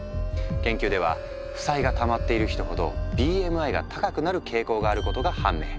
研究では負債がたまっている人ほどＢＭＩが高くなる傾向があることが判明。